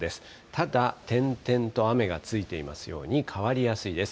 ただ、点々と雨がついていますように、変わりやすいです。